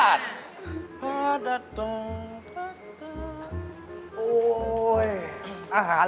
อาหารร้านนี้อร่อยอยู่นะพูดถึงกัน